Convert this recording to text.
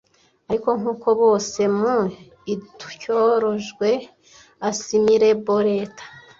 Ariko nk'uko bose, mu ityorojwe, assimilable Leta.